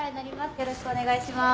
・よろしくお願いします。